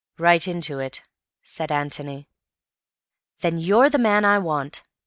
"Right into it," said Antony. "Then you're the man I want.